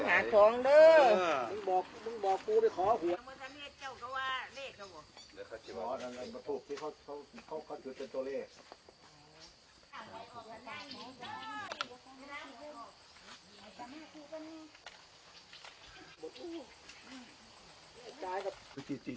จากฝั่งภูมิธรรมฝั่งภูมิธรรม